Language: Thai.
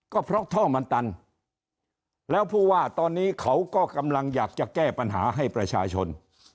ก็เพราะท่อมันตันแล้วผู้ว่าตอนนี้เขาก็กำลังอยากจะแก้ปัญหาให้ประชาชน